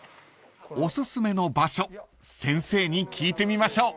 ［おすすめの場所先生に聞いてみましょう］